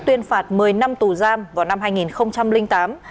tuyên phạt một mươi năm tù giam vào năm hai nghìn tám